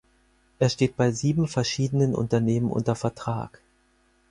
Er steht bei sieben verschiedenen Unternehmen unter Vertrag.